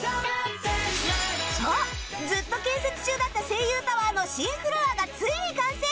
そうずっと建設中だった声優タワーの新フロアがついに完成！